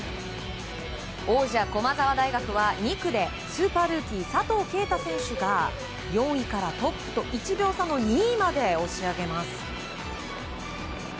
王者・駒澤大学は、２区でスーパールーキー佐藤圭汰選手が４位から、トップと１秒差の２位まで押し上げます。